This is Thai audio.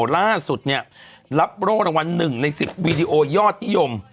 ล่าสุดเนี่ยรับโรครางวัล๑ใน๑๐วีดีโอยอดนิยม